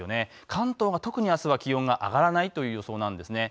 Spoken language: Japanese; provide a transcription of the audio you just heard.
関東が特にあすは気温が上がらないという予想です。